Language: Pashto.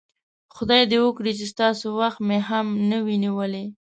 خدای دې وکړي چې ستاسو وخت مې هم نه وي نیولی.